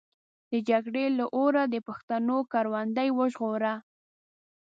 د جګړې له اوره د پښتنو کروندې وژغوره.